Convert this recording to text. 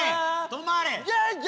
止まれ！